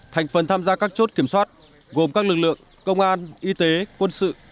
thành phần tham gia các chốt kiểm soát gồm các lực lượng công an y tế quân sự